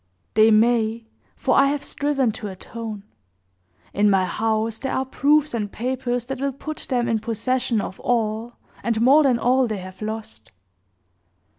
"They may; for I have striven to atone. In my house there are proofs and papers that will put them in possession of all, and more than all, they have lost.